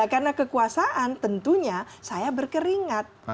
karena kekuasaan tentunya saya berkeringat